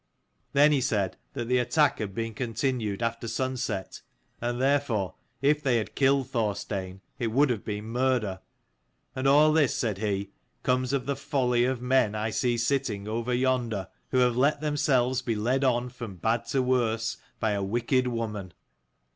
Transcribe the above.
Then he said that the attack had been con tinued after sunset, and therefore if they had killed Thorstein it would have been murder. " And all this," said he, " comes of the folly of men I see sitting over yonder, who have let themselves be led on from bad to worse by a wicked woman."